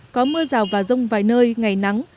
có mưa rào và rông vài nơi ngày nắng